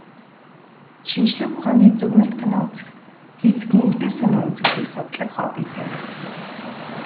Шинжлэх ухааны зөгнөлт кино үзэх, физикийн элдэв сонин үзэгдлийг судлах хоббитой.